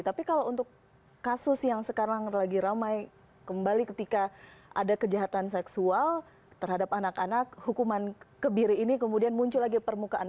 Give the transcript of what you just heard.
tapi kalau untuk kasus yang sekarang lagi ramai kembali ketika ada kejahatan seksual terhadap anak anak hukuman kebiri ini kemudian muncul lagi permukaan